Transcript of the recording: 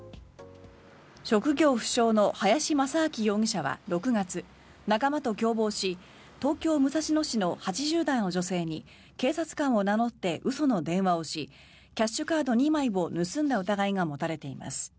職業不詳の林真明容疑者は６月仲間と共謀し、東京・武蔵野市の８０代の女性に警察官を名乗って嘘の電話をしキャッシュカード２枚を盗んだ疑いが持たれています。